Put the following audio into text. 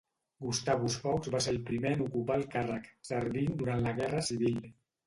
Gustavus Fox va ser el primer en ocupar el càrrec, servint durant la Guerra Civil.